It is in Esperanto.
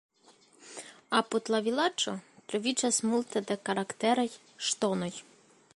Apud la vilaĝo troviĝas multe de karakteraj "ŝtonoj".